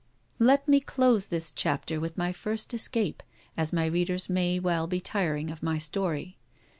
Let me close this chapter with my first escape, as my readers may be well tiring of my story.